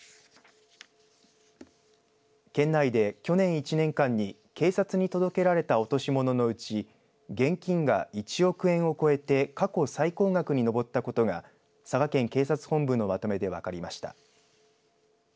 県内で去年１年間に警察に届けられた落とし物のうち現金が１億円を超えて過去最高額に上ったことが佐賀県警察本部のまとめで分かりました。